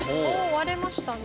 割れましたね。